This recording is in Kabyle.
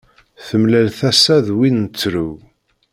Temlal tasa d win trew.